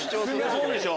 そうでしょ？